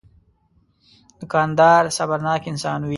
دوکاندار صبرناک انسان وي.